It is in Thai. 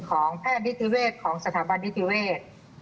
ของแพทย์ดิทธิเวทย์ของสถาบันดิทธิเวทย์